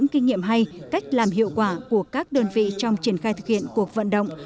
khai thực hiện cuộc vận động